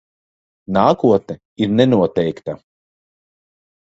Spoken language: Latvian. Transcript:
Nākotne ir nenoteikta.